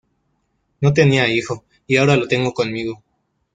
No tenía hijo, y ahora lo tengo conmigo.